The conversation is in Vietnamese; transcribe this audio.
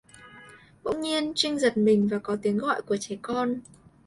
Bỗng nhiên Trinh giật mình và có tiếng gọi của trẻ con